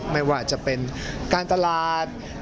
ไม่ว่าจะเป็นการตลาด